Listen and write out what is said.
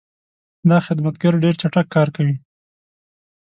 دا خدمتګر ډېر چټک کار کوي.